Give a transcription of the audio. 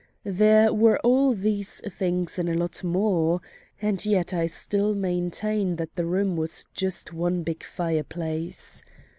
There were all these things and a lot more and yet I still maintain that the room was just one big fireplace.